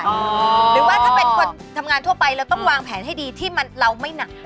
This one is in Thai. หรือว่าถ้าเป็นคนทำงานทั่วไปเราต้องวางแผนให้ดีที่เราไม่หนัก